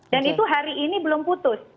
dan itu hari ini belum putus